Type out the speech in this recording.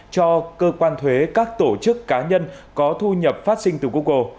cho cơ quan thuế các tổ chức cá nhân có thu nhập phát sinh từ google